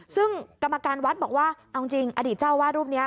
ซึ่งกรรมการวัดบอกว่าเอาจริงอดีตเจ้าวาดรูปนี้